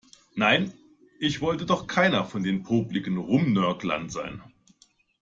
Nein, ich wollte doch keiner von den popeligen Rumnörglern sein.